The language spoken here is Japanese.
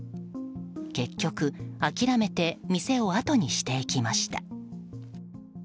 結局、諦めて店をあとにしていきました。